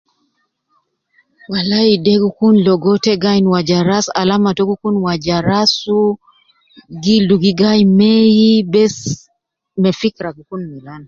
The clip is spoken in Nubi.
Walai de gi Kun logo ita gaainu waja ras alama tou gi kun waja rasu gildu tou gi gayi mei me fikra gi Kun Milan.